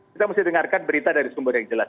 kita mesti dengarkan berita dari sumber yang jelas